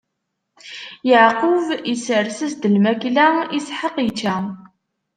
Yeɛqub isers-as-d lmakla, Isḥaq ičča.